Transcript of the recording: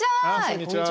こんにちは。